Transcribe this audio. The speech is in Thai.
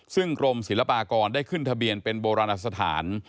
ซึ่งกรมศิลปากรได้ขึ้นทะเบียนเป็นโบราณสถาน